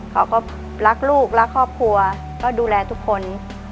เขาก็รักลูกรักครอบครัวก็ดูแลทุกคน